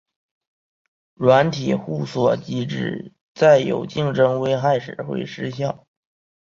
软体互锁机制在有竞争危害时会失效。